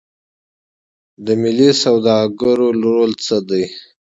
د ملي سوداګرو رول څه دی؟